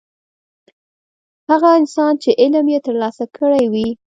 هغه انسان چې علم یې ترلاسه کړی وي.